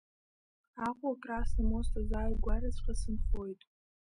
Аҟәа, Красни мост азааигәараҵәҟьа сынхоит.